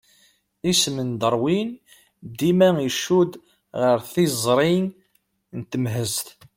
Isem n Darwin dima icudd ɣer tiẓri n temhezt.